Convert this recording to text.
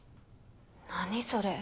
何それ。